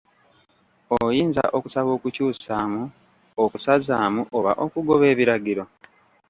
Oyinza okusaba okukyusaamu, okusazaamu oba okugoba ebiragiro?